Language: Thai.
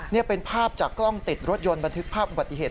นี่เป็นภาพจากกล้องติดรถยนต์บันทึกภาพอุบัติเหตุ